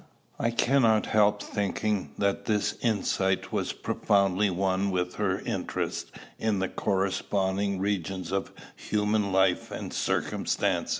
I cannot help thinking that this insight was profoundly one with her interest in the corresponding regions of human life and circumstance.